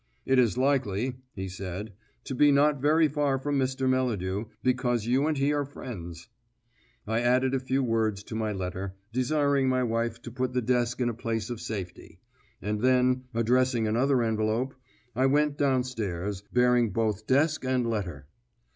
"It is likely," he said, "to be not very far from Mr. Melladew, because you and he are friends." I added a few words to my letter, desiring my wife to put the desk in a place of safety; and then, addressing another envelope, I went down stairs, bearing both desk and letter.